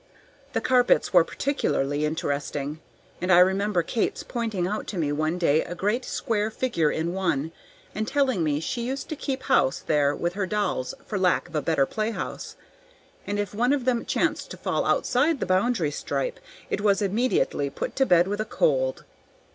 The carpets were particularly interesting, and I remember Kate's pointing out to me one day a great square figure in one, and telling me she used to keep house there with her dolls for lack of a better play house, and if one of them chanced to fall outside the boundary stripe, it was immediately put to bed with a cold.